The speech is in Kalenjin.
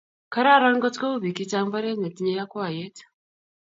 Kararan ngotkou bik chechang mbaret netinyei yakwaiyet